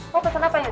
mau pesan apa yud